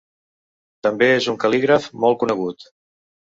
També és un cal·lígraf molt conegut.